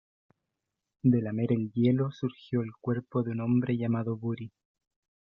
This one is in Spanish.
De lamer el hielo surgió el cuerpo de un hombre llamado Buri.